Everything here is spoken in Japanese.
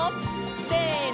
せの！